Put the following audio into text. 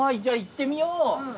じゃあ行ってみよう。